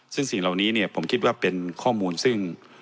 ซึ่งสิ่งเหล่านี้เนี่ยผมคิดว่าเป็นข้อมูลซึ่ง